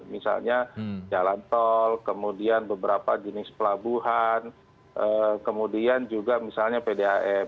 misalnya jalan tol kemudian beberapa jenis pelabuhan kemudian juga misalnya pdam